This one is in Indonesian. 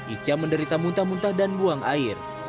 ica menderita muntah muntah dan buang air